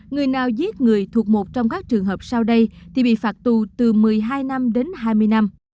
người nào giết người thuộc một trong các trường hợp sau đây thì bị phạt tù từ một mươi hai năm đến hai mươi năm